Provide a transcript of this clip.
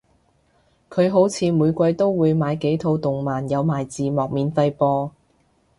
佢好似每季都會買幾套動漫有埋字幕免費播